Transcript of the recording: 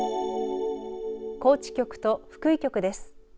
高知局と福井局です。